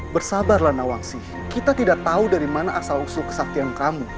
bersabarlah nawangsih kita tidak tahu dari mana asal usul kesaktian kamu